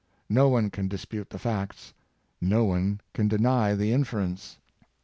No one can dispute the facts. No one can deny the inference."